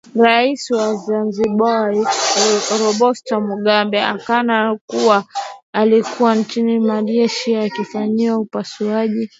rais wa zimbabwe robert mugabe akana kuwa alikuwa nchini malaysia akifanyiwa upasuaji